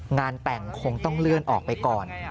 งานแต่งคงต้องเลื่อนออกไปก่อน